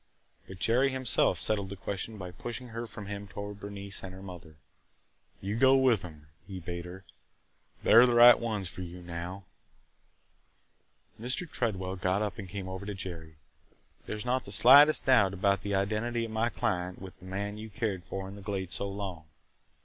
But Jerry himself settled the question by pushing her from him toward Bernice and her mother. "You go with them!" he bade her. "They 're the right ones for you now!" Mr. Tredwell got up and came over to Jerry. "There 's not the slightest doubt about the identity of my client with the man you cared for in the Glades so long.